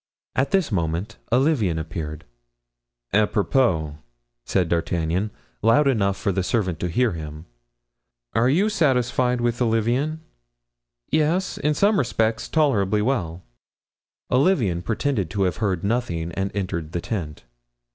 At this moment Olivain appeared. "Apropos," said D'Artagnan, loud enough for the servant to hear him, "are you satisfied with Olivain?" "Yes, in some respects, tolerably well." Olivain pretended to have heard nothing and entered the tent.